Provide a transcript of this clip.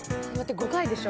５回でしょ？